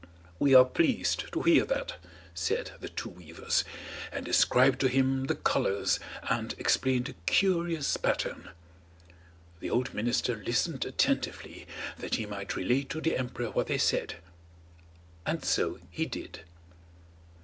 "We are pleased to hear that," said the two weavers, and described to him the colours and explained the curious pattern. The old minister listened attentively, that he might relate to the emperor what they said; and so he did.